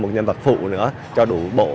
một nhân vật phụ nữa cho đủ bộ